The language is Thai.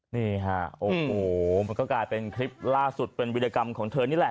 นี่ฮะโอ้โหมันก็กลายเป็นคลิปล่าสุดเป็นวิรกรรมของเธอนี่แหละ